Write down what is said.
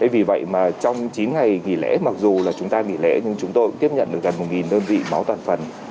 vì vậy mà trong chín ngày nghỉ lễ mặc dù là chúng ta nghỉ lễ nhưng chúng tôi cũng tiếp nhận được gần một đơn vị máu toàn phần